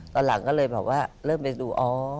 ตอนหลังก็เลยเริ่มไปดูอ๋อ